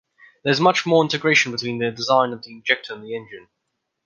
There is much more integration between the design of the injector and the engine.